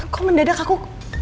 kok mendadak aku